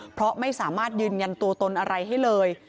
เพราะไม่สามารถยืนยันตัวตนอะไรให้เลย